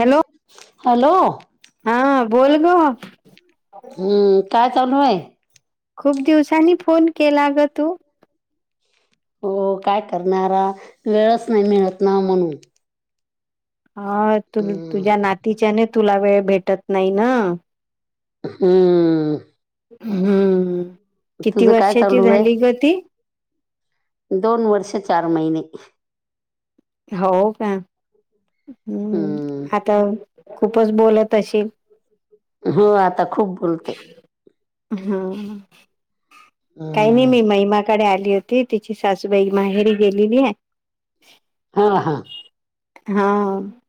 Hello hello. हा बोल ग. हम्म काय चालू आहे. खूप दिवसांनी फोन केला ग तू? हो काय करणारा वेळच नाही मिळत ना म्हणून. हा तु तुझ्या हम्म नातीच्याने तुला वेळ भेटत नाही ना. हम्म हम्म किती तुझं काय वर्षाची चालू झाली आहे ग ती? दोन वर्ष चार महिने. हो का हम्म हम्म आता खूपच बोलत असशे. हो आता खूप बोलते. हा काही नाही मी हम्म महिमाकडे आली. होती तिची सासूबाई माहेरी गेलेली आहे. हा हा हा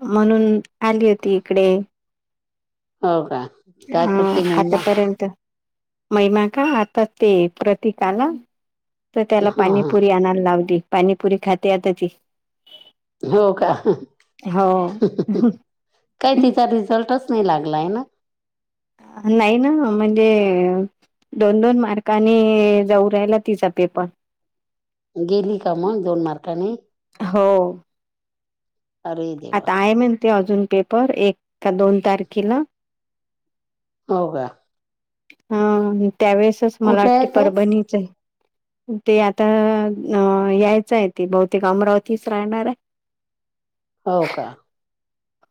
म्हणून आली होती इकडे. हो का काय हा करते महिमा आतापर्यंत मैमा का आता ते प्रतिकाला तर त्याला हा हा पाणीपुरी आणायला लावली पाणीपुरी खाते आता ती हो का हो. काय तिचा रिझल्ट अस नाही ना म्हणे. म्हण दोन दोन मार्कानी जाऊ राहिला तिचा पेपर गेली का मग दोन मार्काने? हो अरे देवा ते अजून पेपर एक का दोन तारखेला हो का हा त्यावेेळेसच मला कुठे आहे वाटते ते परभणीच आहे. ते आता यायचं आहे ते बहुतेक अमरावतीच राहणार आहे हो का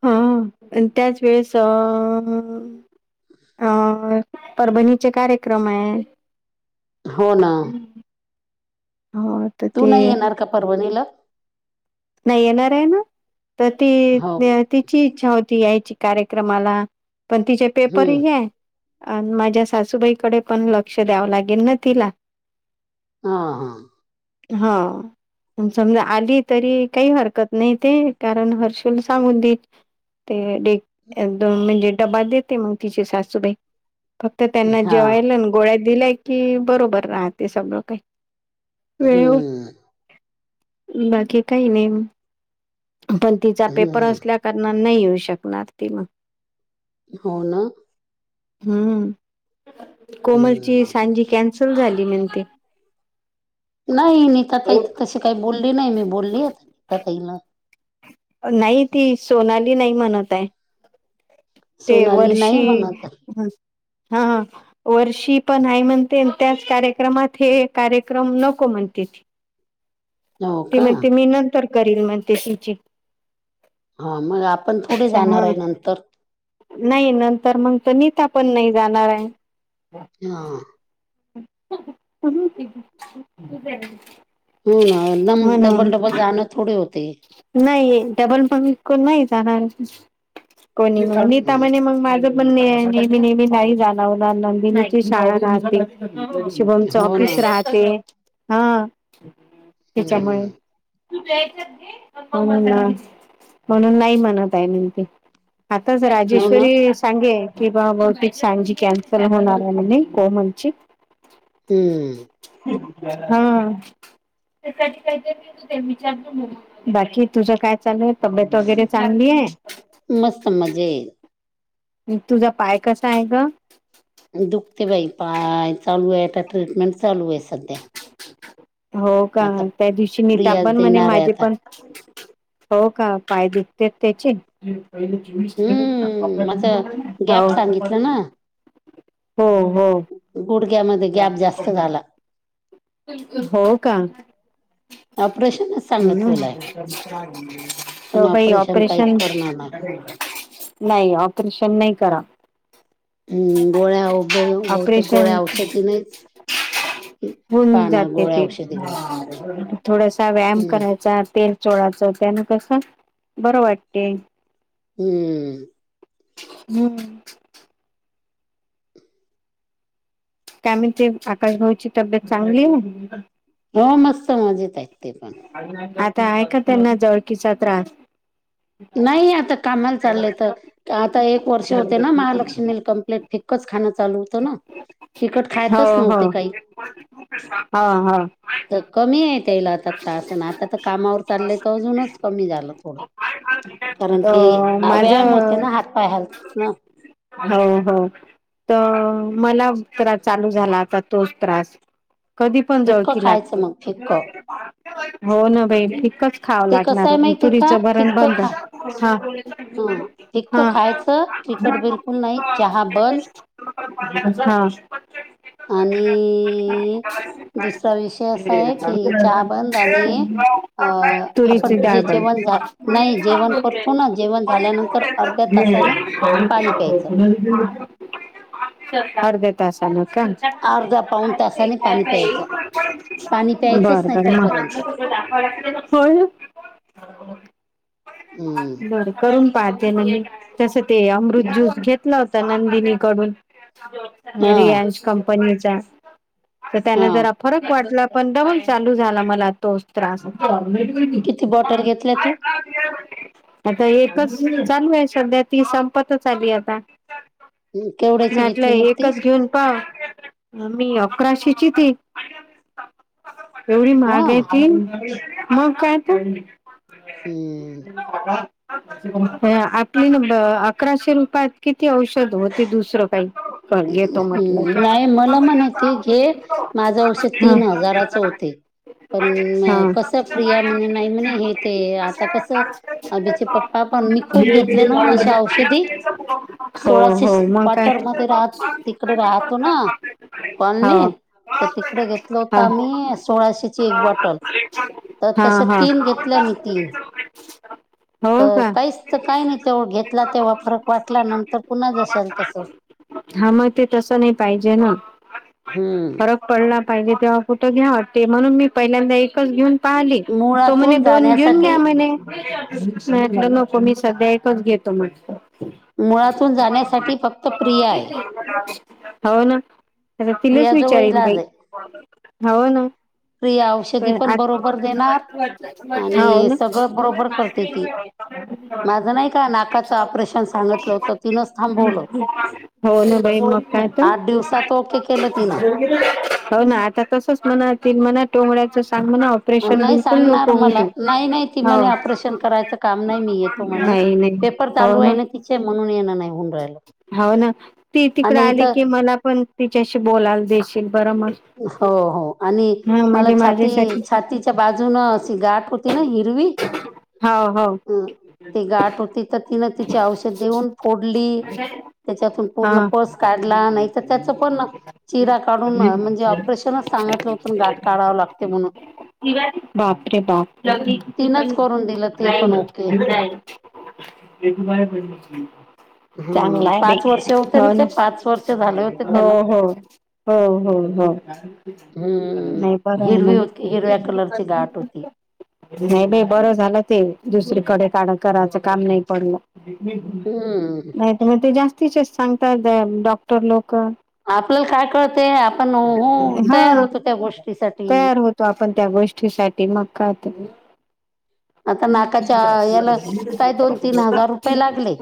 हा आणि त्याच वेळेस अ अ परभणीचे कार्यक्रम आहे. हो ना हो तर तू ते नाही येणार का परवाणीला? नाही येणार आहे ना तर ती हो तिची इच्छा होती. ती यायची कार्यक्रमाला पण तिचे हम्म पेपरही आहे. अ माझ्या सासूबाईकडे पण लक्ष द्यावं लागेल ना तिला हा हा हा समजा आली तरी काही हरकत नाही ते कारण हर्षु ले सांगून देईन ते दोन म्हणजे डबा देते मग तिची सासूबाई फक्त त्यांना हा जेवायला गोळ्या दिल्याय की बरोबर राहते सगळं काही वेळेवर हम्म बाकी काही नेम पण तिचा पेपर हम्म असल्या करणा न नाही येऊ शकणार ती मग हो ना हम्म कोमलची हम्म सांजी कॅन्सल झाली ती म्हणते नाही नीताताई तर तशी काही बोलली नाही मी बोलली आ नीताताईला नाही ती सोनाली नाही म्हणत आहे. ते सोनाली नाही वर्षी म्हणत हा वर्षी पण आहे म्हणते त्याच कार्यक्रमात हे कार्यक्रम नको म्हण के [inaudible] ती का म्हणते मी नंतर करील म्हणते शिचित हा मग आपण थोडे जाणार आहे नंतर नाही नंतर मग त नीता पण नाही जाणार आहे हा [inaudible] हो ना मग म्हणून डबल डबल जाणं थोडे होते नाही डबल मग कोण नाही जाणार कोणी मीता हं. म्हणे मग माझ पण नेहमी नेहमी नाही जाण होणार नंदीची शाळा राहते शिभोमच हो ना ऑफिस राहते हा हम्म ह म्हणून नाही म्हणत आहे म्हणते आताच हो ना राजेश्वरी सांगे की बा मग ते सांजी कॅन्सल होणार आहे म्हणे कोमलची हम्म हा त्यासाठी काहीतरी विचारत म बाकी तुझं काय चालूय तब्येत वगैरे चांगली आहे मस्त मजे तुझा पाय कसा आहे ग दुखते बाई पाय चालू आहे आता ट्रीटमेंट चालू आहे सध्या हो का आता त्या दिवशी नीता प्रियाज पण म्हणे देणार आहे माझे आता पण हो का पाय दुखतात त्याची हम्म माझं हो गॅप सांगितलं ना हो हो या मधे गॅप जास्त झाला हो का अं प्रश्न हम्म पण त बाई काही ऑपरेशन करणार नाही नाही ऑपरेशन नाही करा हम्म गोळ्याभभते गोळ्या ऑपरेशन औषधी नाहीच होऊन पाहणार जाते गोळ्या ते औषधी घेऊन थोडासा व्यायाम हम्म करायचा तेल चोळाच त्यान कस बरं वाटते हम्म हम काय म्हणते आकाशभाऊची तब्येत चांगली आहे. हो मस्त मजेत आहेत. ते पण आता आहे का त्यांना जवळकीचा त्रास नाही आता कामाला चाललंय तर आता एक वर्ष होते ना महालक्ष्मी कमप्लीट फिकच. खाण चालू होत ना तिकट खायतच नव्हते काही हां हां तर कमी आहे त्याला आता त्रास आहे ना आता तर कामावर चाललंय तर अजूनच कमी झालं थोडं कारण की तर व्यायामते माझं ना हातपाय हालतात ना, हो हो तर मला त्रास चालू झाला आता तोच त्रास कधी पण फिक्क जळकी खायचं लागते मग फिक्क हो ना बाई फ खावं ते कसं लागणार आहे माहितीय तुरीच का बरण फिक्क बंद खा हा ह फिक्क हा खायचं तिखट बिलकुल नाही चहा अच्छा बंद [inaudible] आणि ह दुसरा विषय असा आहे की चहा बंद आणि अ आपण तुरीचे जे डाबण [unintelligible] [inaudible] [unintelligible] जेवण झा नाही जेवण करतो ना जेवण झाल्यानंतर अर्ध्या तासाने पाणी ह प्यायचं [inaudible] अर्धा तासांन, का अर्धा पाऊन तासाने पाणी प्यायचं बरं पाणी प्यायचंच नाही बर म तोपर्यंत हो हम्म बर करून पाहते ना तसं ते अमृत ज्यूस घेतला होता नंदिनीकडून हा रि्यान्स कंपनी तर त्यांना हा ज फरक वाटला. पण डबल चालू झाला मला तोच त्रास [unintelligible] [inaudible] किती बॉटल घेतल्या तू [unintelligible] आता एकच चालू आहे सध्या ती संपतच आली आता, केवढ्याची घेतली मग म्हटलंय ती एकच घेऊन पहा. मी अकराशेची तेे एवढी हा महाग आहे ती मग काय त हम्म वाठण [inaudible] आपली अकराशे रुपयात किती औषध होत. हम् नाही मला म्हण घे माझ औषध ती तीन हजाराच होते. पण कस प्रिया म्हणे नाही म्हणे हे ते आता कसं आभीचे पप्पा पण मी खूप घेतले ना अे औषधी तर हा हा हो सोळाशे हो मग काय क्व्टर तर. मध्ये राह तिकडे राहतो ना हो कॉलनी तर तिकडे घेतल होत. हा ही सोळाशेची एक बॉटल तर हा हा तसे हा तीन घेतले मी तीन, हो तर का काहीच तर काही नाही तेव घेतला तेव्हा फरक वाटला नंतर पुन्हा जशल हा महि ते तस नाही पाहिजे ना हम्म फरक पडला. पाहिजे तेव्हा घ्यावा वाटते म्हणून मी पहिल्यांदा एकच घेऊन पाली तो म्हणे मुळातून दोन घेऊन घ्या जाण्यासाठी म्हणे लं नको मी सध्या एकच घेतो मग मुळातून जाण्यासाठी फक्त प्रिय आहे. हो ना तर तिलाच प्रियाजवळ विचारेल बाई हो ना. किया औषधी पण बरोबर देणार हो आणि ना सगळं बरोबर करते ती माझं नाही का नाकाचं ऑपरेशन सांगितलं होतं तिनच हो ना बाई मग काय तर आठ दिवसात ओके केलं तिनं हो ना आता तसच म्हणतील म्हणा टोंगळ्याच नाही सांगणार मला नाही नाही ती म्हणे ऑपरेशन करायचं काम नाही मी येतो [unintelligible] म्हणे पेपर चालू आहे ना ति म्हणून ये नाही. होऊन राहिलं हो ना ती तिकड आणि आली इथं की मला पण तिच्याशी बोलायला देशील बरं मग हो हो. आणि हा मला म्हणजे छाती माझ्यासाठी छातीच्या बाजून अशी गाठ होती ना हिरवी. हो हो अ ते गाठ होती तर तिन तिचे औषध देऊन फोडली. त्याच्यातून हा पूर्ण पस काढला नाही. तर त्याच पण चिरा काढून म्हणजे े ऑपरेशनच सांगितलं होत गाठ काढावं लागते म्हणून बापरे बाप. तिनच करून दिलं ते पण ओके [unintelligible] ह चांगला आहे पाच वर्ष होते हो ना ते पाच वर्ष झाले होते हो त्याला हो हो हो. हो नाही ब हम्म आहे ना. हिरवी होती हिरव्या कलरची गाठ होती नाही बाई बरं झालं ते दुसरीकडे काढ कराच काम नाही पड हम्म नाही मग ते जास्त तिचेच सांगतात डॉक्टर लोक. आपल्याला काय कळत? हा गोष्टीसाठी तयार होतो. आपण त्या गोष्टीसाठी मग. कायत? आता नाकाच्या याला काही दोन तीन हजार रुपये लागले.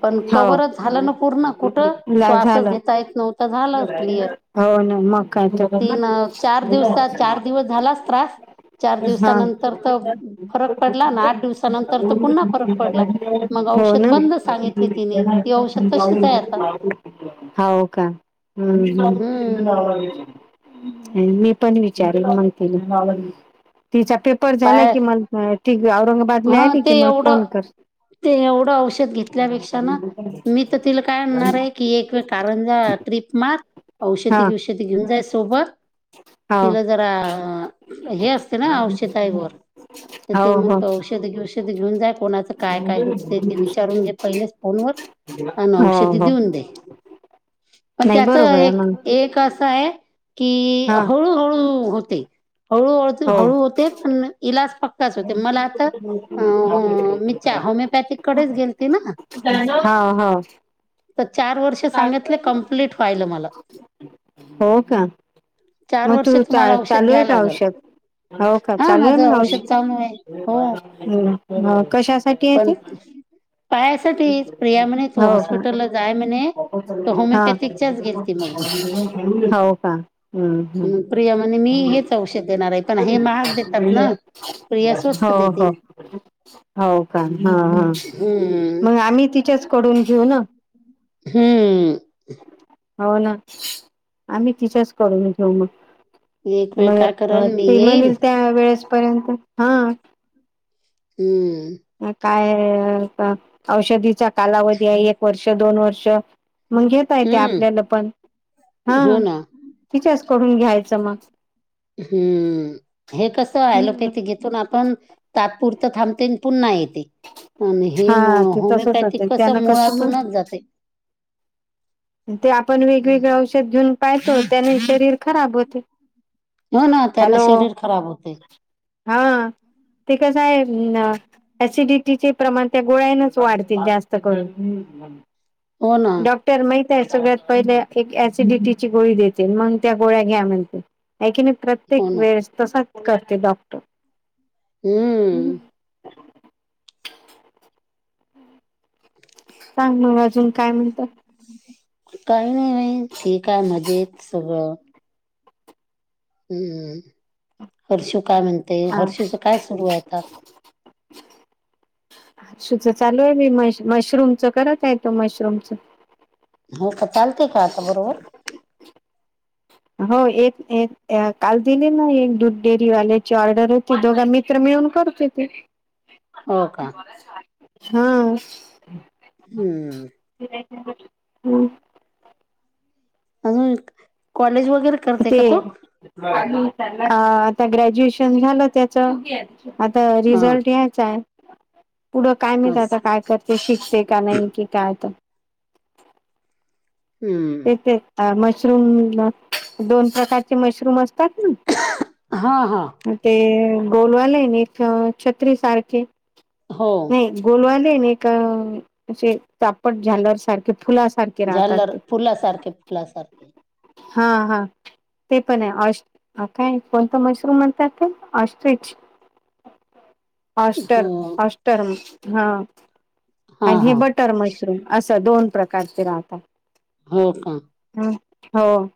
पण हो कवरच झालं ना पूर्ण. कुठं श्वासच झालं घेता येत नव्हता झालं क्लिअर. हो ना मग काय तर हा तीन चार दिवस चार दिवस झालाच त्रास. चार दिवसानंतर तर फर आठ दिवसानंतर पुन्हा फरक पडला. मग हो औषध ना बंद सांगितले तिनि. हो का? हम्. हम्म. मी पण विचारल मग तिला. तिचा पेपर झाला पाय कि म ती औरंगाबादला हा आली ते की मला एवढं फोन कर. ते एवढं औषध घेतल्यापेक्षा ना मी तर तिला काय आणणार आहे की एक कारण ज्या ट्रीप मार हा औषधी बिवषधी घेऊन जाय सोबत. हो तिला जरा हे असते ना औषधई व तर ते हो म्हण हो औषध औषध घेऊन जाय कोणाचं काय काय दुखते ते विचारून घे पहिलेच फोन वर. अ हो औषधी हो देऊन दे. पण नाही त्याच बरोबर आहे एक मग एक असं आहे की हा हळूहळू होते. हळूळ हो हळू होते पण इलाज पक्काच होते मला अ हो. मीच्या होमिओपॅथिक कडेच गेलती ना? हो हो तर चार वर्ष सांगितले. कंप्लीट व्हायल मला. हो का? चार मग तू वर्ष तुम्हाला औषध चालू घ्या आहे का लागल औषध? हो का हा चालू आहे माझं मग औषध? चालू आहे हो कशासाठी हे पण ते? पायासाठी प्रिया म्हणे तू हो का? हॉस्पिटलला जाय म्हणे तर हा. होमिओपॅथिकच्याच गेलती मग हो का? हम् मी प्रिया म्हणे मी हम्. हेच औषध देणार आहे पण हे महाग देतात ना प्रिया [unintelligible] स्वस्त हो देते हो का? हा हा. हम्म मग आम्ही तिच्याच कडून घेऊ ना. हम्म. हो ना आम्ही तिच्याच करून घेऊ मग. एक वेळ काय मग करल मी ती येईल म्हणीन त्या वेळेस पर्यंत हा. हम्म. काय औषधीचा कालावधी आहे. एक वर्ष दोन वर्ष. मग घेता येते हम्म आपल्याला पण हा हो ना तिच्या करून घ्यायचं मग. हम्म. हे कस अँलोपॅथी घेतो ना आपण तात्पुर त थांबते पुन्हा येते. आणि हे हा ते तसच होते होमिओपॅथिक त्यानं कसं मग मुळातूनच जाते. ते आपण वेगवेगळे औषध घेऊन पाहतो. त्याने शरीर खराब होते. हो ना त्यांना शरीर खराब होते. हो ते कसं आहे. ऍसिडिटी चे प्रमाण त्या गोळ्यानच वाढतील जास्त करून. हो ना डॉक्टर मे सगळ्यात पहिले एक ऍसिडिटीची गोळी देते मग त्या गोळ्या घ्या म्हणते आहे की नी प्रत्येक हो ना वेळेस तसाच करते डॉक्टर, हम्म, सांग मला अजून काय म्हणतात? काही नाही ठीक आहे मजेत सगळं, हम्म हर्षु काय म्हणतेय हा हर्षुच काय सुरू आहे आता. हर्षुच चालू आहे. मी म मशरूमच करत आहे तो मशरूमच हो का चालते का आता बरोबर हो एक एक काल दिले ना एक दूध डेअरीवाल्याची ऑर्डर होती दोघा मित्र मिळून. च मग करते हो ती का हा. हम्म, हम्म, अजून कॉलेज व ते आता ग्रॅज्युएशन झालं त्याच, आता हां रिझल्ट यायचा आहे. पुढं काय मिळत आता असं काय करते शिकते का नाही कि काय तर, हं तेचय मशरूम दोन प्रकारचे मशरूम असतात ना. हां हां ते गोलवाले ना. एक छत्री सारखे हो नाही गोलवाले ना का असे चापट झाल्या सारखे फुलासारखे राहतात झाललर ते फुलासारखे फुलासारखे हा हा ते पण आहे काय कोण मशरूम म्हणतात ऑस्ट्रिच ऑस्टर हो ऑस्टर्म हा हां आणि हे हां बटर मशरूम असं दोन प्रकारचे राहतात. हो का, हो